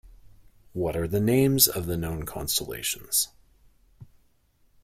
What are the names of the known constellations?